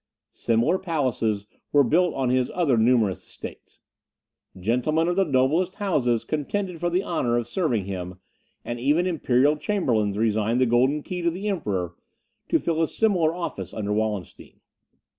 Similar palaces were built on his other numerous estates. Gentlemen of the noblest houses contended for the honour of serving him, and even imperial chamberlains resigned the golden key to the Emperor, to fill a similar office under Wallenstein.